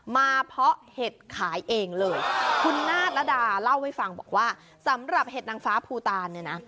เพาะเห็ดขายเองเลยคุณนาฏระดาเล่าให้ฟังบอกว่าสำหรับเห็ดนางฟ้าภูตานเนี่ยนะ